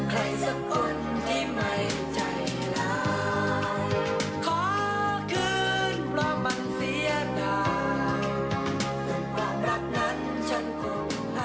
เป็นกำลังใจกับทุกคนที่รักคุณโจนะคะ